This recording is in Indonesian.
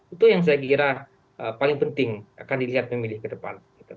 itu yang saya kira paling penting akan dilihat pemilih ke depan